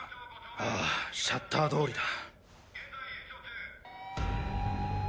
ああシャッター通りだ。